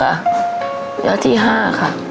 ระยะที่๕ค่ะ